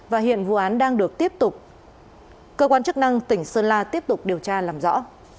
và hiện vụ án đang được tiếp tục cơ quan chức năng tỉnh sơn la tiếp tục điều tra làm rõ